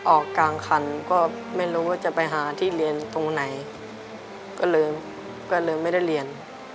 ออกกลางคันก็ไม่รู้ว่าจะไปหาที่เรียนตรงไหนก็เลยก็เลยไม่ได้เรียน